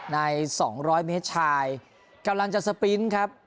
ใน๒๐๐เมตรชายกำลังจะสปรินท์ครับ